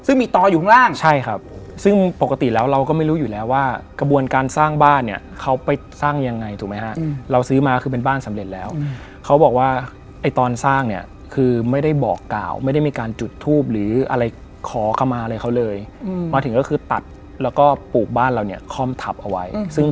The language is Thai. ซึ่งละครผีกะอย่างที่หลายท่านได้ดูกันทาง